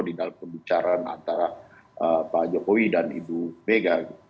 di dalam pembicaraan antara pak jokowi dan ibu mega